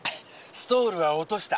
ストールは落とした。